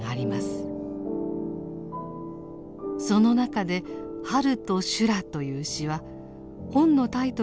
その中で「春と修羅」という詩は本のタイトルにもなった代表作です。